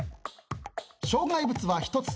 障害物は１つ。